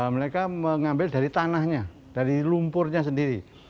mereka mengambil dari tanahnya dari lumpurnya sendiri